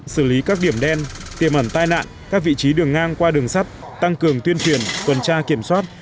xử lý các điểm đen tiềm ẩn tai nạn các vị trí đường ngang qua đường sắt tăng cường tuyên truyền tuần tra kiểm soát